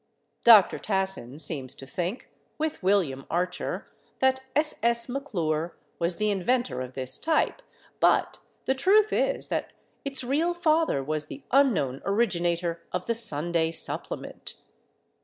Dr. Tassin seems to think, with William Archer, that S. S. McClure was the inventor of this type, but the truth is that its real father was the unknown originator of the Sunday supplement.